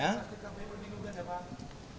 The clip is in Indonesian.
ya saya sudah sampai berminggu nggak ada apa apa